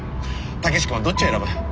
武志君はどっちを選ぶ？